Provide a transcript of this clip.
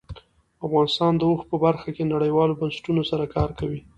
افغانستان د اوښ په برخه کې نړیوالو بنسټونو سره کار کوي.